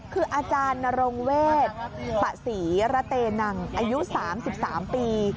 คืออาจารย์นรงเวศปะศรีระเตนังอายุ๓๓ปี